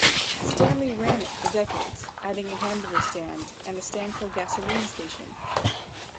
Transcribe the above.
Stanley ran it for decades, adding a hamburger stand and the Stanco gasoline station.